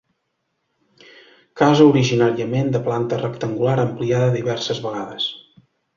Casa originàriament de planta rectangular ampliada diverses vegades.